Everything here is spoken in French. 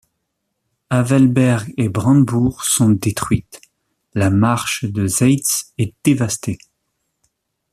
Havelberg et Brandebourg sont détruites, la Marche de Zeitz est dévastée.